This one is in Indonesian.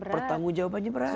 pertanggung jawabannya berat